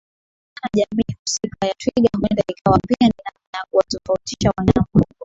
patikana jamii husika ya twiga huenda ikawa pia ni namna ya kuwa tofautisha wanyama